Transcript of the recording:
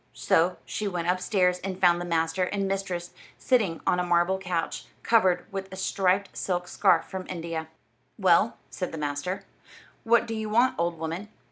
So she went upstairs and found the master and mistress sitting on a marble couch, covered with a striped silk scarf from India. "Well," said the master, "what do you want, old woman?"